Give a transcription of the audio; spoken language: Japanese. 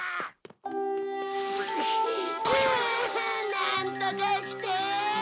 なんとかして！